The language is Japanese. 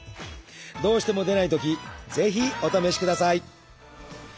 どうしても出ないときぜひお試しください。